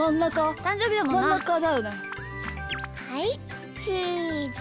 はいチーズ！